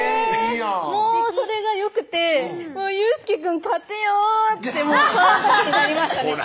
もうそれがよくて「佑介くん買ってよ」ってその時なりましたね